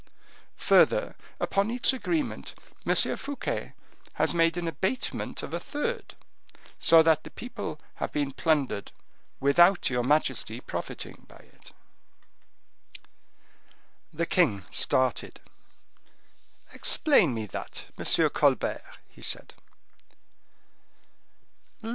Further, upon each agreement M. Fouquet has made an abatement of a third, so that the people have been plundered, without your majesty profiting by it." The king started. "Explain me that, M. Colbert," he said.